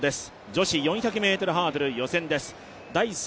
女子４００ｍハードル予選です。